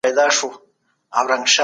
تاريخ ترې زده کړه کوي.